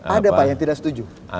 ada yang tidak setuju